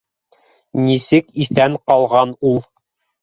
Нисек иҫән ҡалған ул